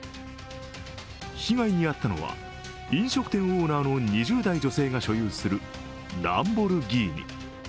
被害に遭ったのは、飲食店オーナーの２０代女性が所有するランボルギーニ。